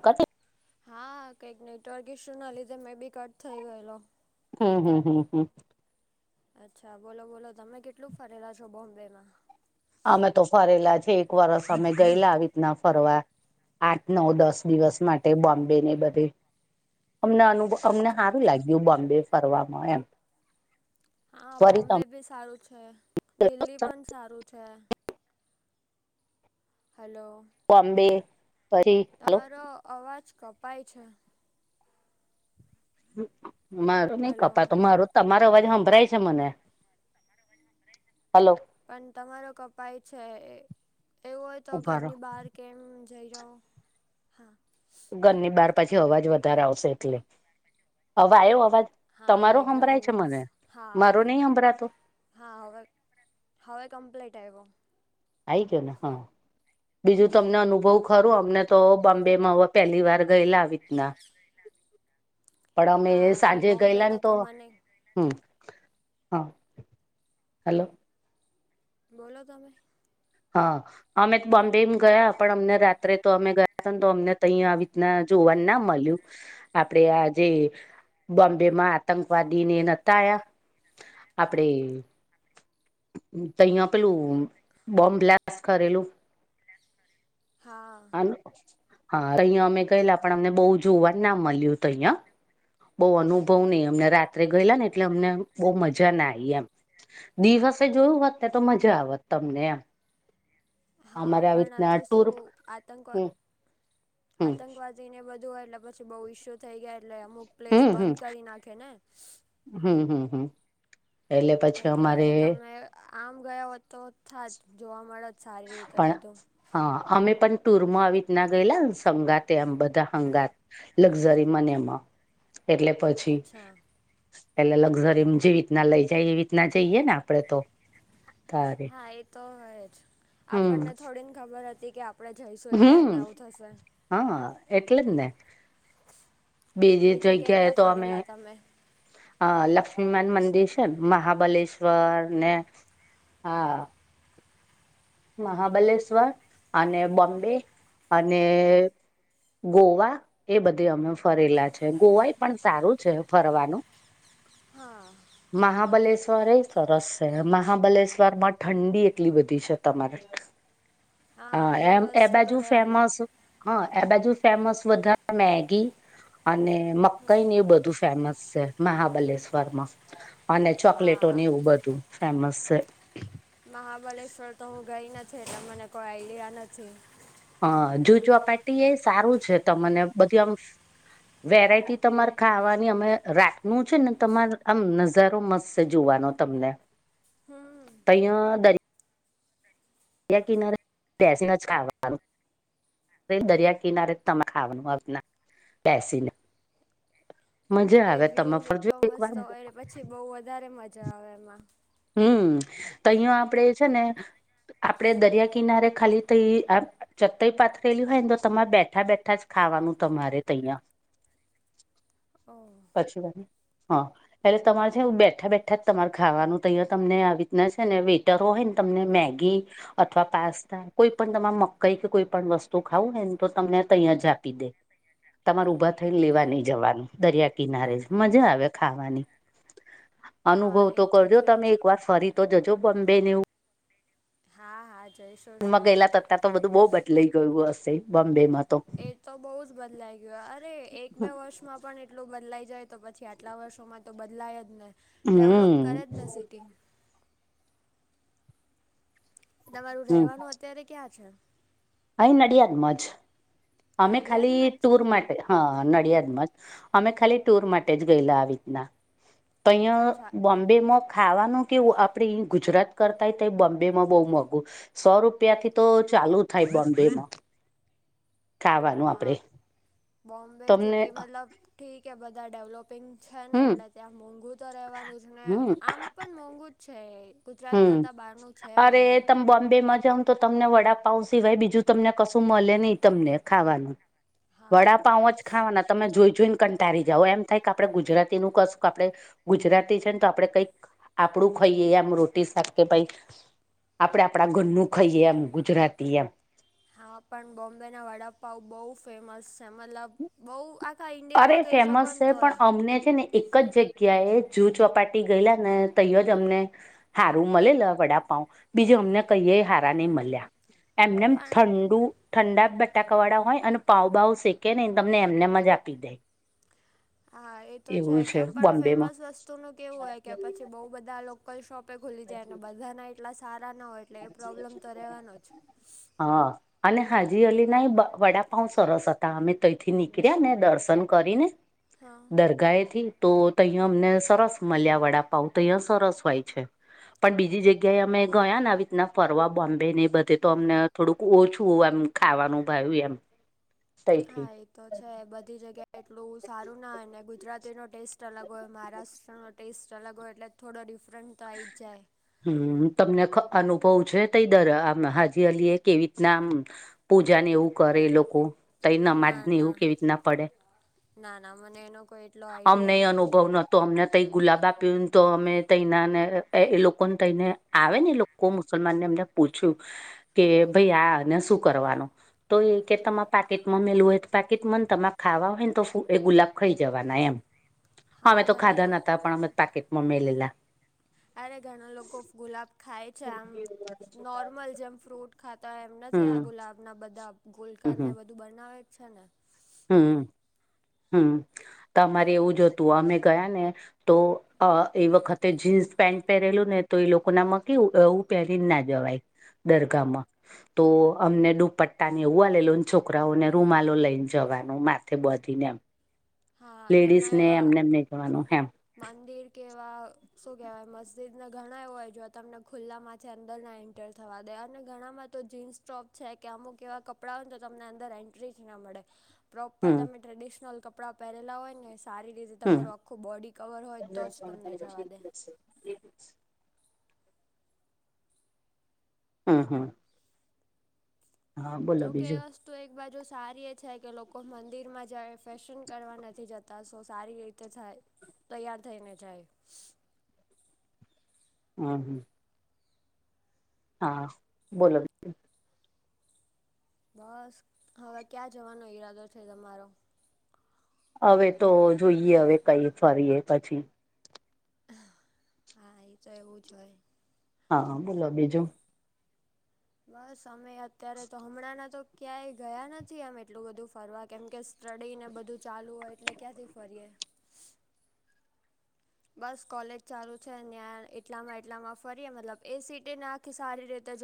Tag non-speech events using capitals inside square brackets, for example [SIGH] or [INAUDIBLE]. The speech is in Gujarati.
કતે હા કંઈક નેટવર્ક ઇસ્યુ ના લીધે મેં બી કટ થઈ ગયેલો. હમ્મ હમ્મ હમ્મ હમ્મ. અચ્છા બોલો બોલો તમે કેટલું ફરેલા છો બોમ્બે માં? અમે તો ફરેલા છે એક વરસ અમે ગયેલા આવી રીતના ફરવા આઠ નવ દસ દિવસ માટે બોમ્બે ને બધે અમને અનુ અમને અચ્છા સારું અચ્છા લાગ્યું બોમ્બે ફરવાવામાં એમ. હા ફરી બોમ્બે તમે ભી સારું છે દિલ્હી પણ સારું છે. હલો. બોમ્બે ફરી હલો તમારો અવાજ કપાય છે. મારું નઈ હલો કપા તો માર તમારો અવાજ સંંભળય છે મને. હલો. પણ તમારો કપાય છે એવું હોય તો ઉભા રહો ઘરની બહાર કેમ જઈ આવો. હા. ઘરની બાર પછી અવાજ વધારે આવશે એટલે હવે આવ્યો અવાજ. હા તમારો સંંભળય બેકગ્રાઉન્ડ છે નોઈસ મને હા મારો આવ્યો નહી સંંભળતો. હા હવે હવે કમ્પ્લીટ આવ્યો. આવી ગયો ને હા બીજું હમ તમને અનુભવ ખરું અમને તો બોમ્બેમાં હવે પહેલી વાર ગયેલા આવી રીતના પણ અમે હા નહીં સાંજે ગયેલા બોમ્બેનો ને તો મને હ હા હલો. બોલો તમે. હા. અમે તો બોમ્બેમ ગયા પણ અમને રાત્રે તો અમે ગયા હતાને તો અમને તહીં આવી રીતના જોવાનું ના મળ્યું. આપડે આ જે બોમ્બે માં આતંકવાદીને નહતા આવયા આપણેે તો અહયા પેલું બોમ્બ બ્લાસ્ટ કરેલું. હા. હ હા અહીં અમે ગયલા પણ અમને બહ જોવાનું ના મળ્યું હતું અહિયાં. બહુ અનુભવ નહ અમને રાત્રે ગયેલા ને એટલે અમને બહ મજા ના આવી. દિવસે જોયું હોત ને તો મજા આવેત તમને એમ. હા અમારે આવી પણ રીતના તો ટુર શું આતંકવા હમ હમ આતંકવાદ ને બધું હોય એટલે પછી બહુ ઈસ્યુ થઈ ગયા એટલે અમુક પ્લેસ હમ હમ બંધ કરી નાખે ને. હમ હમ હમ એટલે પછી એટલે અમારે તમે આમ ગયો હો તો થા જ જોવા મળે જ સારી રીતે પણ બધું. હા અમે પણ ટુરમાં આવી ના ગયેલા સંગાતે આમ બધા સંગાત લક્ઝરી માં ને એમાં એટલે પછી અચ્છા પેલે લક્ઝરી જેવી રીતના લઈ જાય એવી રીતના જઈએ ને આપડે તો હા એ તો હય જ હમ આપણને થોડીને ખબર હતી કે આપણે જઈશું એ ટાઈમે હમ આવું થશે. હા એટલે જ ને. બીજી બીજે ક્યા ક્યા ફરેલા તમેં? હ લક્ષ્મીમાન મંદિર છે મહાબલેશ્વર ને હા મહાબલેશ્વર અને બોમ્બે અને ગોવા એ બધી અમે ફરેલા છે. ગોવાય પણ સારું છે ફરવાનું. હા. મહાબલેશ્વર એ સરસ છે. મહાબલેશ્વર માં ઠંડી એટલી બધી છે તમારે. હા, એ એમ વસ્તુ તો બાજુ રહેવાની. ફેમસ હા, એ બાજુ ફેમસ વધારે મેગી અને ને મકઈ ને એવું બધું ફેમસ છે મહાબલેશ્વર માં. અને ચોકલેટો હા એવું બધું ફેમસ છે. મહાબલેશ્વર તો હું ગઈ નથી એટલે મને કોઈ આઈડિયા નથી. હા, જુહ ચોપાટી એ સારું છે તમને બધું આમ વેરાયટી તમારે ખાવાની અમે રાતનું છે ને તમાર આમ નજારો મસ્ત તે જોવાનો તમને. હ તૈયા દર યા કિનારે બેસીનેજ ખાવાનું. તે દરિયા કિનારે તમારે ખાવાનું આપના બેસી ને. મજા આવે તમે ફરજો એક વાર. છી બહુ વધારે મજા આવે એમાં. હમ્મ, તો અહીયાં આપડે છે ને આપડે દરિયા કિનારે ખાલી થઈ આપ ચત્તઈ પાથરેલી હોય ને તો તમારે બેઠા બેઠા જ ખાવાનું તમારે તહીંયા. ઓ. પછી વાને હા. એટલે તમારે હા છે બેઠા બેઠા જ તમારે ખાવાનું તૈયા તમને આવી રીતના છે ને વેટરો હોય તમને મેગી અથવા પાસ્તા કોઈ પણ તમારે મકઈ કે કોઈ પણ વસ્તુ ખાઉ હાએ ને તો તમને તહીં આજ આપી દે. તમારે ઊભા થઈને લેવા ઓહ નહી જવાનું દરિયા કિનારે મજા આવે ખાવાની હા અનુભવ એ તો કરજો છે તમે જ એક વાર ફરી. તો જજો બોમ્બે ને એવું હા હા જઈશ. માં ગયેલા થતા તો બધું બહુ બદલાઈ ગયું હશે બોમ્બે માં તો. એ તો બઉુ જ બદલાઈ ગયો અરે એક બે વર્ષમાં પણ એટલું બદલાઈ જાય તો પછી આ કેટલા વર્ષોમાં તો બદલાય જ ને ડેવલોપ હમ કરે જ ને સિટી. તમારું હમ રહેવાનું અત્યારે ક્યાં છે? અહી નડિયાદમાં જ. અમે ખાલી નડિયાદમાં જ છો ટૂર માટે હા નડિયાદમાં જ. અમે ખાલી ટુર માટે જ ગયેલા આવી રીતના. તહીયા અચ્છા બોમ્બ બેમાં ખાવાનું કેવું આપડે ગુજરાત કરતાય તો બોમ્બેમાં બહુ મોંઘું. સો રૂપિયા થી તો ચાલુ થાય બોમ્બેમાં. ખાવાનું આપડે હા, બોમ્બે તમને સિટી મતલબ ઠીક એ બધા ડેવલોપિંગ છે ને હમ એટલે ત્યાં મોંઘું તો રહેવાનું છે ને હમ આમ પણ મોંઘુ જ છે એ. હમ્મ, અરે તમે બોમ્બે માં જાઓ તો તમને વડાપઉ સિવાય બીજું તમને કશું મલે નહી તમને ખાવાનું. હા વડાપઉ જ ખાવાના તમે જોઈ જોઈને કંટળી જાઓ એમ થાય કે આપડે ગુજરાતી નું કશું કે આપડે ગુજરાતી છે ને તો આપડે કંઈક આપડું ખાઈએ આમ રોટ તે સાથ કે ભાઈ આપડે આપડા ઘરનું ખાઈએ એમ ગુજરાતી એમ. હા પણ બોમ્બેના વડાપઉ બહુ ફેમસ છે મતલબ બઉ આખા ઈન્ડિયામાં કહી શકો ને તોય. મને છે ને. એક જ જગ્યાએ, જૂ ચોપાટી ગયેલા ને ત્યાં જ અમને. હારું મલેલા વડાપઉ બીજું અમને કઈ હારા નહી મલ્યા. એમનેમ પણ ઠંડુ ઠંડા બટાકા વાળા હોય અને પાવ ભાવ શેકે ને તમને એમને જ આપી દે. હા, એ તો છે એવું કેમ પણ બોમ્બેમાં ફેમસ વસ્તુ ન કેવું હોય કે પછી બઉુ બધા લોક લોકલ શોપે ખુલી જાય, અને બધાના એટલા સારા ના હોય. એટલે એ પ્રોબ્લેમ તો રહેવાનો જ હા. અને હાજી અલી ના એ વડાપાઉ સરસ હતા. અમે ત્યાંથી નીકળ્યા ને દર્શન કરીને. હા દરગાહે થી. તો તહંયા અમને સરસ મળ્યા વડાપાઉં, તોહં સરસ હોય છે. પણ બીજી જગ્યાએ અમે ગયા ને આવી. ના, ફરવા બોમ્બે ને બધે, તો હમ અમને થોડુંક ઓછું એમ ખાવાનું ભાવે એમ. હા, તઈથી એ તો છે. બધી જગ્યા એટલું સારું ના ગુજરાતીનો ટેસ્ટ અલગ હોય, મહારાષ્ટ્રનો ટેસ્ટ અલગ હોય, એટલે થોડો ડિફરન્ટ તો આવી જ જાય. હમ તમને અનુભવ છે, તે દરગાહ આમ હાજીઅલી એ કેવી રીતના આમ પૂજા ને એવું કરે એ લોકો, તો એઓ નમાજ ના ને ના એવું કેવી રીતના પડે? ના ના, મને એનો કોઈ. એટલો અમને આઈડિયા અનુભવ નથી. તો અમને તઈ ગુલાબા પી ને, તો અમે તઈ ના ને, એ લોકોને તઈને આવે ને લોકો. કોક મુસલમાન ને એમને પૂછ્યું કે, હા ભાઈ આને શું કરવાનું? તો એ કે, તમારે પાકેટમાં મેલું હોય તો પાકેટમાં, ને તમારે ખાવા હોય ને, તો એ ગુલાબ ખાઈ જ. જવાના એમ. હમે હા તો ઘણા ખાધા લોકો નતા, પણ અમે પાકેટમાં મેલેલા. અરે ઘણા લોકો ગુલાબ ખાય છે, આમ નોર્મલ જેમ ફ્રૂટ ખાતા એમ નથી, આ હમ ગુલાબના બધા ગોલક ને હમ બધું બનાવે જ છે ને. હમ, હમ, તમારે એવું જોતું, અમે ગયા ને તો. અ એ વખતે જીન્સ પેન્ટ પહેરેલું ને, તો એ લોકો, ના, માં કેવું પહેરીને ના જવાય. હમ દરગાહમાં તો હમ અમને દુપટ્ટા ને એવું, લે લો ને, છોકરાઓને રૂમાલો લઈને. જવાનું માથે, બધીને એમ, હા ઘણા લેડીસને એવા એમને, એમને જવાનું એમ. મંદિર કેવા? શું કેહેવાય, મસ્જિદ ને? ઘણા એવો હોય, જો તમને ખુલ્લા માંથી અંદર ના એન્ટર થવા દે, અને ઘણામાં તો જીન્સ ટોપ છે કે અમુક એવા કપડાં હોય ને, તો તમને અંદર એન્ટ્રી જ ના મળે. પ્રોપર, હમ તમે ટ્રેડિશનલ કપડાં પહેરેલા હોય ને, સારી રીતે હમ તમારું આખું બોડી કવર હોય તો જ તમને જવા દે [UNINTELLIGIBLE] હમ, હમ. હા બોલો જો બીજું કેવા? તો એક બાજુ સારી એ છે કે લોકો મંદિર માં જ ફર્ેશન કરવા નથી જતા, સો સારી. તે થાય, તૈયાર થઈને જાય. હમ, હા. હા, બોલો? બસ, હવે ક્યાં જવાનો ઈરાદો છે તમારો? હવે તો જોઈએ, હવે કઈ ફરીએ પછી. હા, એ તો એવું જ હોય. હા, બોલો બીજું. [UNINTELLIGIBLE] બસ, અમે અત્યારે તો, હમણાંના તો ક્યાંય ગયા નથી, આમે એટલું બધું ફરવા, કેમ કે ત્રડઈને બધું ચાલું હોય, એટલે ક્યાંથી ફરીએ. બસ, કોલેજ ચાલુ છે, ત્યાં એટલામાં એટલામાં ફરીએ, મતલબ એ સીટે નાખી, સારી રીતે જો